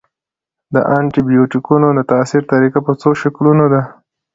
د انټي بیوټیکونو د تاثیر طریقه په څو شکلونو ده.